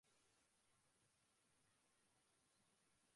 একটা না একটা উপায়ে তো করেই ফেলবে।